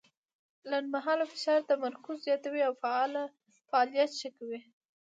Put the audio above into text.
لنډمهاله فشار تمرکز زیاتوي او فعالیت ښه کوي.